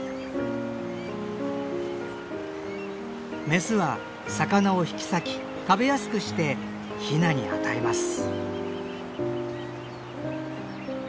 メスは魚を引き裂き食べやすくしてヒナに与えます。